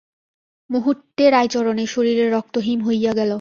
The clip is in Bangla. মুহূর্তে রাইচরণের শরীরের রক্ত হিম হইয়া গেল।